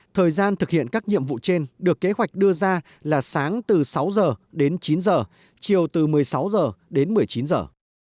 thời gian thực hiện các nhiệm vụ trên được kế hoạch đưa ra là sáng từ sáu giờ đến chín giờ chiều từ một mươi sáu giờ đến một mươi chín giờ